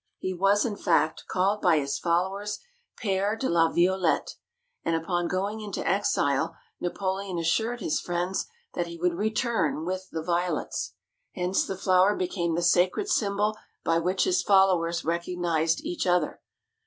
He was, in fact, called by his followers Pere de la Violette, and upon going into exile Napoleon assured his friends that he would return with the Violets. Hence the flower became the sacred symbol by which his followers recognized each other.